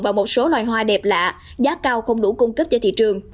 và một số loài hoa đẹp lạ giá cao không đủ cung cấp cho thị trường